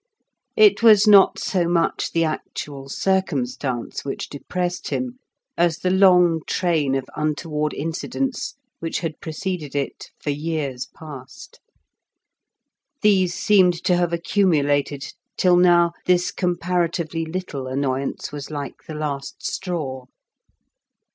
It was not so much the actual circumstance which depressed him, as the long train of untoward incidents which had preceded it for years past. These seemed to have accumulated, till now this comparatively little annoyance was like the last straw.